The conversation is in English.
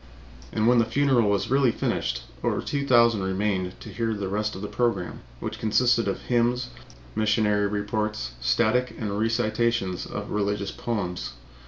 And when the funeral was really finished, over two thousand remained to hear the rest of the program, which consisted of hymns, missionary reports, static and recitations of religious poems.